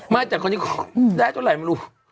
ไม่แต่คนที่ได้เท่าไหร่มันรู้